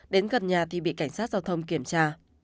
đến gần nhà thì bị cảnh sát giao thông kiểm tra